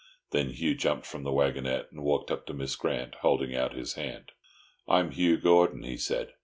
Then Hugh jumped from the waggonette, and walked up to Miss Grant, holding out his hand. "I'm Hugh Gordon," he said.